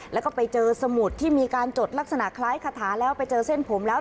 แล้วก็ไปเจอสมุดที่มีการจดลักษณะคล้ายคาถาแล้วไปเจอเส้นผมแล้ว